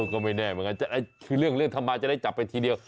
ก็ไม่แน่เหมือนกันคือเรื่องทำมาจะได้จับไปทีเดียว